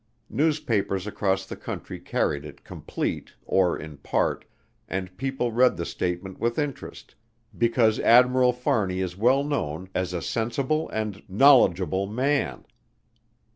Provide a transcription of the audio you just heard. Newspapers across the country carried it complete, or in part, and people read the statement with interest because Admiral Fahrney is well known as a sensible and knowledgeable man.